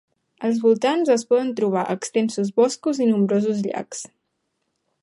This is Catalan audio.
Als voltants es poden trobar extensos boscos i nombrosos llacs.